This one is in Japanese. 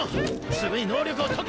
すぐに能力を解け！